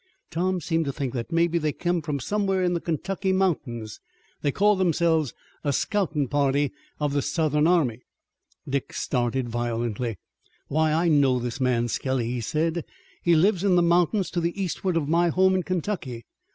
Tom seemed to think that mebbe they came from somewhere in the Kentucky mountains. They called themselves a scoutin' party of the Southern army." Dick started violently. "Why, I know this man Skelly," he said. "He lives in the mountains to the eastward of my home in Kentucky.